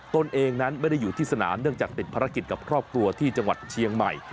ตนเองนั้นไม่ได้อยู่ที่สนามเนื่องจากติดภารกิจกับครอบครัวที่จังหวัดเชียงใหม่